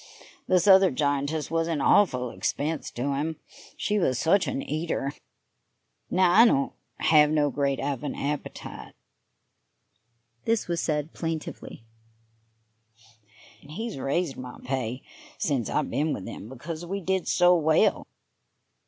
This other giantess was an awful expense to him, she was such an eater; now, I don't have no great of an appetite" this was said plaintively "and he's raised my pay since I've been with him because we did so well."...